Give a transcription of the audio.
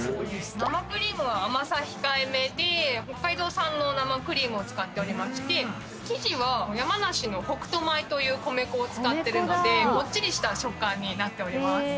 生クリームは甘さ控えめで北海道産の生クリームを使っておりまして生地は山梨の北杜米という米粉を使ってるのでもっちりした食感になっております。